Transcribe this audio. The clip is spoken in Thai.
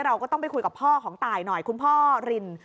เราก็ต้องไปคุยกับพ่อของตายหน่อยคุณพ่อริน